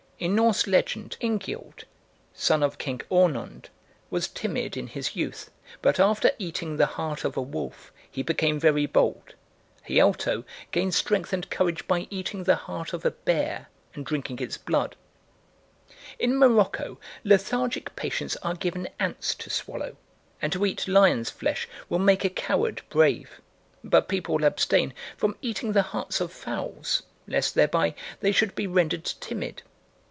In Norse legend, Ingiald, son of King Aunund, was timid in his youth, but after eating the heart of a wolf he became very bold; Hialto gained strength and courage by eating the heart of a bear and drinking its blood. In Morocco lethargic patients are given ants to swallow, and to eat lion's flesh will make a coward brave; but people abstain from eating the hearts of fowls, lest thereby they should be rendered timid.